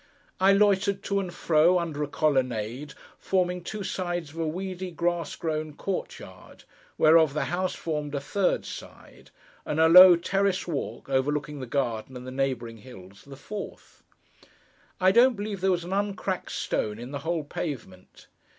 I loitered to and fro, under a colonnade, forming two sides of a weedy, grass grown court yard, whereof the house formed a third side, and a low terrace walk, overlooking the garden and the neighbouring hills, the fourth. I don't believe there was an uncracked stone in the whole pavement.